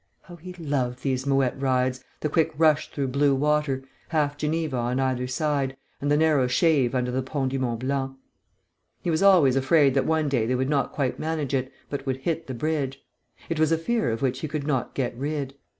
How he loved these mouette rides, the quick rush through blue water, half Geneva on either side, and the narrow shave under the Pont du Mont Blanc. He was always afraid that one day they would not quite manage it, but would hit the bridge; it was a fear of which he could not get rid.